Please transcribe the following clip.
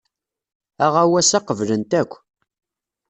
Aɣawas-a qeblen-t akk.